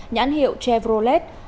nhãn hiệu chevrolet